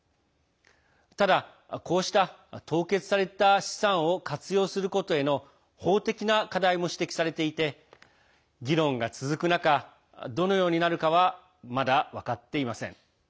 ただ、こうした凍結された資産を活用することへの法的な課題も指摘されていて議論が続く中どのようになるかはまだ分かっていません。